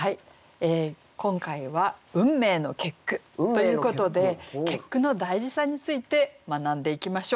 今回は「運命の結句」ということで結句の大事さについて学んでいきましょう。